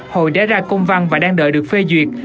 hội đã ra công văn và đang đợi được phê duyệt